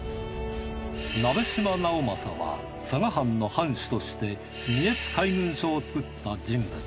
鍋島直正は佐賀藩の藩主として三重津海軍所を作った人物。